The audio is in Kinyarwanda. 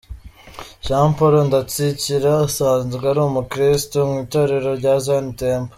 Jean Paul Ndatsikira asanzwe ari umukristo mu itorero rya Zion Temple.